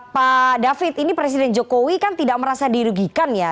pak david ini presiden jokowi kan tidak merasa dirugikan ya